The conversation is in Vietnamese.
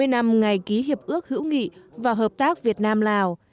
bảy mươi năm ngày ký hiệp ước hữu nghị và hợp tác việt nam lào